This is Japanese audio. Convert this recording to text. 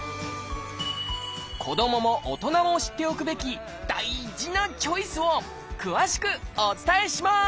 子どもも大人も知っておくべき大事なチョイスを詳しくお伝えします！